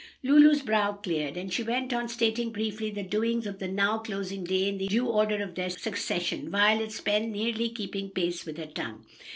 Lulu's brow cleared, and she went on stating briefly the doings of the now closing day in the due order of their succession, Violet's pen nearly keeping pace with her tongue.